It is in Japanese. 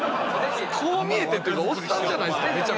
こう見えてっていうかおっさんじゃないですか！